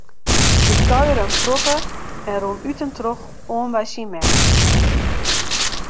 Ik kuiere in protte en rûn út en troch oan by syn mem.